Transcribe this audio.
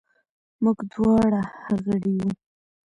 موږ دواړه غړي وو.